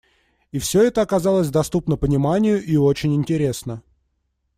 И всё это оказалось доступно пониманию и очень интересно.